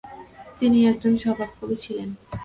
তিনি একজন স্বভাবকবি ছিলেন।